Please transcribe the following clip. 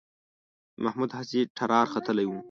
د محمود هسې ټرار ختلی و